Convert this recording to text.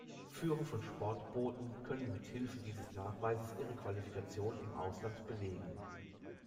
Führer von Sportbooten können mit Hilfe dieses Nachweises ihre Qualifikation im Ausland belegen.